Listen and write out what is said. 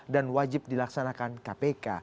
dan wajib dilaksanakan kpk